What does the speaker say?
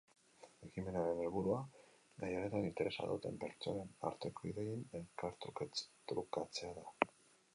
Ekimenaren helburua gai honetan interesa duten pertsonen arteko ideien elkartrukatzea da.